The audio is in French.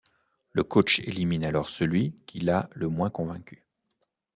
Le coach élimine alors celui qui l'a le moins convaincu.